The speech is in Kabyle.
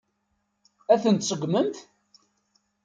Ad tent-tseggmemt?